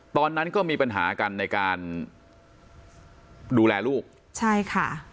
ตอนนั้นก็มีปัญหากันในการดูแลลูกใช่ค่ะ